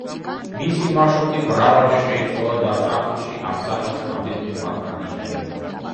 მისი მარშრუტი მრავალჯერ შეიცვალა, და წარსულში ამ სახელს რამდენიმე მათგანი იყენებდა.